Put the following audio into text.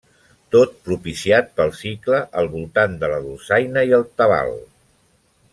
Tot propiciat pel 'Cicle al voltant de la dolçaina i el tabal'.